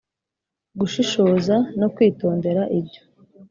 gushishoza no kwitondera ibyo